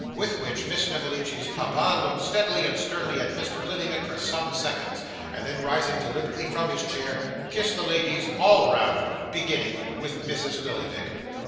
With which Miss Snevellicci's papa looked steadily and sternly at Mr. Lillyvick for some seconds, and then rising deliberately from his chair, kissed the ladies all round, beginning with Mrs. Lillyvick.